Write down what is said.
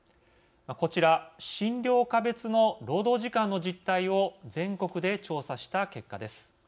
こちら診療科別の労働時間の実態を全国で調査した結果です。